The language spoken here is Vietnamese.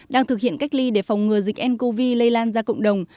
đang thực hiện cách ly để phòng ngừa dịch ncov lây lan ra cộng đồng